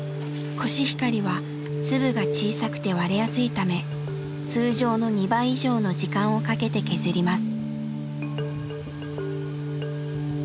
コシヒカリは粒が小さくて割れやすいため通常の２倍以上の時間をかけて削ります。